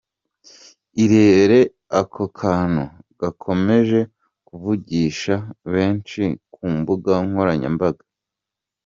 Irebere ako kantu gakomeje kuvugisha benshi ku mbuga nkoranyambaga .